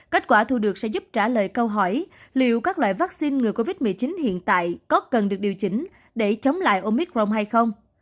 kết quả thu được sẽ giúp trả lời câu hỏi liệu các loại vaccine ngừa covid một mươi chín hiện tại có cần được điều chỉnh để chống lại omicron hay không